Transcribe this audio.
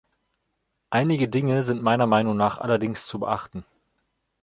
Einige Dinge sind meiner Meinung nach allerdings zu beachten.